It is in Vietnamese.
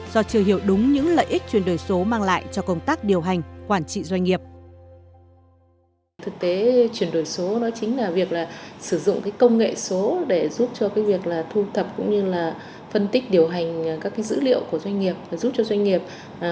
do chưa hiểu đúng những lợi ích chuyển đổi số mang lại cho công tác điều hành quản trị doanh nghiệp